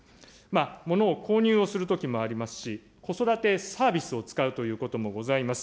物を購入をするときもありますし、子育てサービスを使うということもございます。